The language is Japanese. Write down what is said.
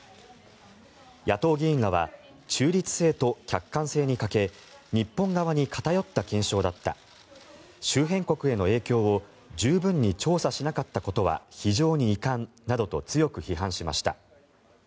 野党議員らは中立性と客観性に欠け日本側に偏った検証だった周辺国への影響を十分に調査しなかったことは非常に遺憾などと強く批判しました。